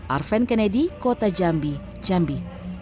arven kennedy kota jambi jambi